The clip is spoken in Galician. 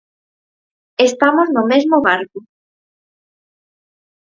Estamos no mesmo barco.